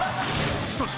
そして！